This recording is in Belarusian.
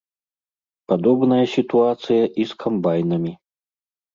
Падобная сітуацыя і з камбайнамі.